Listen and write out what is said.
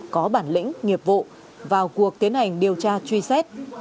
có bản lĩnh nghiệp vụ vào cuộc tiến hành điều tra truy xét